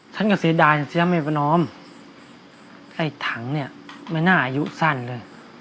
ฉันก็เสียดายเสียแม่ประนอมไอ้ถังเนี่ยไม่น่าอายุสั้นเลย